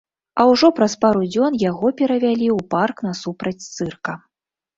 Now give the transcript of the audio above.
А ўжо праз пару дзён яго перавялі ў парк насупраць цырка.